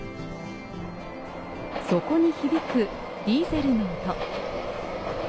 そこに響くディーゼルの音。